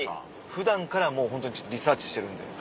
普段からもうホントにリサーチしてるんで。